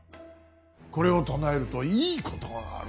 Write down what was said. これを唱えるといいことがある。